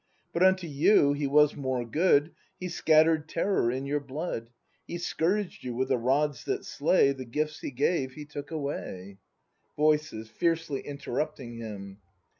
But unto you He was more good. He scatter 'd terror in your blood, He scourged you with the rods that slay. The gifts He gave. He took away Voices. [Fiercely interrupting him.